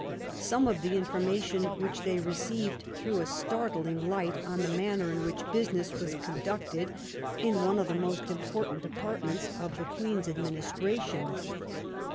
Some of the information which they received threw a startling light on the manner in which business was conduct ed in one of the most important departments of the Queen's administration.